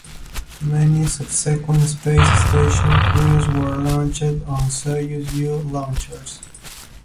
Many subsequent space station crews were launched on Soyuz-U launchers.